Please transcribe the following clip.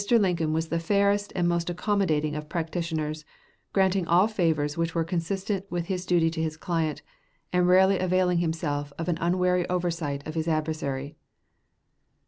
Lincoln was the fairest and most accommodating of practitioners, granting all favors which were consistent with his duty to his client, and rarely availing himself of an unwary oversight of his adversary.